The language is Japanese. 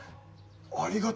ありがとう。